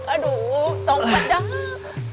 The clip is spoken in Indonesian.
aduh tongkat dah